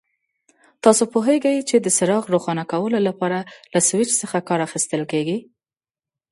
تاسو پوهیږئ چې د څراغ روښانه کولو لپاره له سوېچ څخه کار اخیستل کېږي.